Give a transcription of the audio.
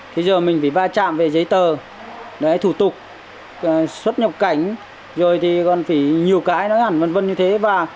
thế giờ mình phải va chạm về giấy tờ thủ tục xuất nhập cảnh rồi thì còn phải nhiều cái nó hẳn vân vân như thế